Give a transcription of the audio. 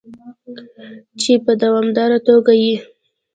چې په دوامداره توګه یې